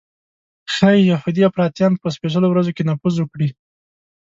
ښایي یهودي افراطیان په سپېڅلو ورځو کې نفوذ وکړي.